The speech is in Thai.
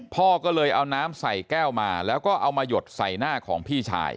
พ่อก็เลยเอาน้ำใส่แก้วมาแล้วก็เอามาหยดใส่หน้าของพี่ชาย